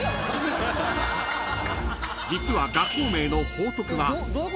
［実は学校名の「報徳」は］